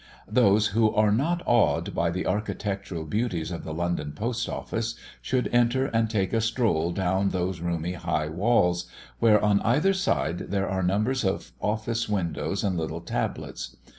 Those who are not awed by the architectural beauties of the London Post office, should enter and take a stroll down those roomy high walls, where on either side there are numbers of office windows and little tablets.